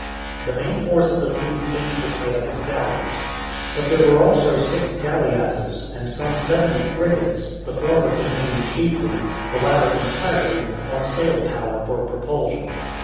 The main force of the three fleets was made up of galleys. But there were also six galleasses and some seventy frigates, the former depending chiefly, the latter entirely, on sail power for propulsion.